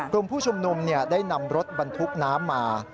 คุณผู้ชุมนุมเนี่ยได้นำรถบรรทุกน้ำมา